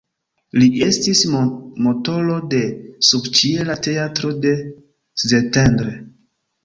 Li estis motoro de subĉiela teatro de Szentendre.